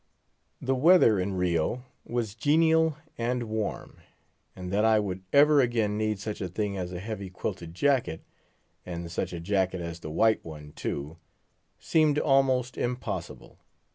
The weather in Rio was genial and warm, and that I would ever again need such a thing as a heavy quilted jacket—and such a jacket as the white one, too—seemed almost impossible.